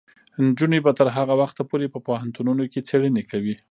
نجونې به تر هغه وخته پورې په پوهنتونونو کې څیړنې کوي.